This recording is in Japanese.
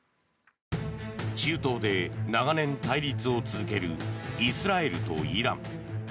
中東で長年、対立を続けるイスラエルとイラン。